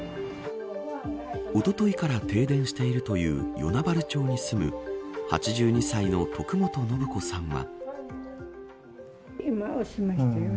おとといから停電しているという与那原町に住む８２歳の徳元ノブ子さんは。